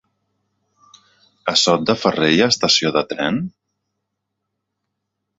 A Sot de Ferrer hi ha estació de tren?